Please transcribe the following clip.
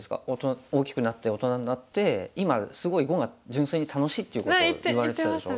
大きくなって大人になって今すごい碁が純粋に楽しいってことを言われてたでしょ。